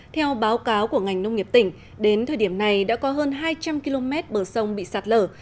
theo báo cáo của ngành nông nghiệp tỉnh đến thời điểm này đã có hơn hai trăm linh km bờ sông bị sạt lở